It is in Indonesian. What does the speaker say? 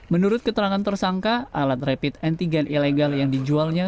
menurut keterangan tersangka alat rapid antigen ilegal yang dijualnya